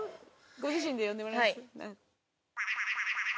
ご自身で読んでもらえます？